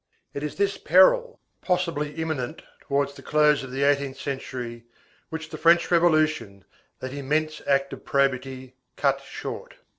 It is this peril, possibly imminent towards the close of the eighteenth century, which the French Revolution, that immense act of probity, cut short.